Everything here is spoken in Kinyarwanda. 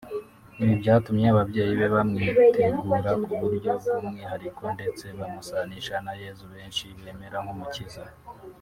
Ibi byatumye ababyeyi be bamwitegura ku buryo bw’umwihariko ndetse bamusanisha na Yezu benshi bemera nk’umukiza